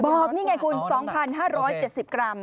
บอกนี่ไงคุณ๒๕๗๐กรัม